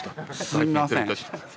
すいません。